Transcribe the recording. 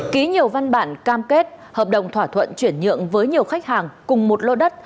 ký nhiều văn bản cam kết hợp đồng thỏa thuận chuyển nhượng với nhiều khách hàng cùng một lô đất